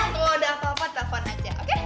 kalau udah apa apa telfon aja oke